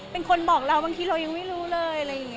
เป็นคนบอกเราบางทีเรายังไม่รู้เลยอะไรอย่างนี้